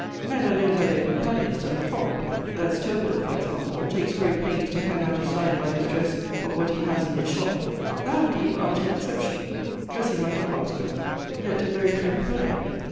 Men are known by their companions; and a fop [as Tourville, for example] takes great pains to hang out a sign by his dress of what he has in his shop. Thou, indeed, art an exception; dressing like a coxcomb, yet a very clever fellow.